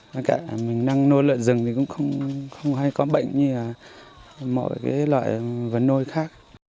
và cả mình nâng nô lợn rừng thì cũng không hay có bệnh như là mọi loại vấn nôi khác